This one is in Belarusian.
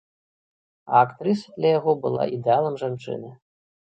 А актрыса для яго была ідэалам жанчыны.